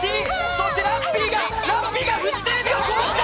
そしてラッピーがフジテレビを壊した！